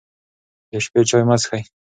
د شپې چای مه څښئ.